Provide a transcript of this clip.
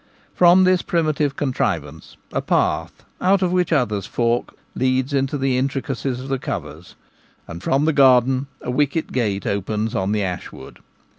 From this primitive contrivance a path, out of which others fork, leads into the intricacies of the covers, and from the garden a wicket gate opens on the ash B The Gamekeeper at Home. wood.